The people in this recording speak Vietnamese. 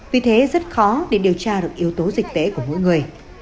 vì thế rất khó để điều tra được yếu tố dịch tễ của mỗi người